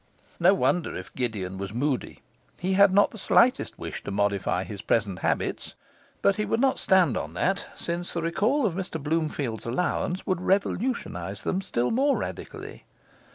No wonder if Gideon was moody. He had not the slightest wish to modify his present habits; but he would not stand on that, since the recall of Mr Bloomfield's allowance would revolutionize them still more radically.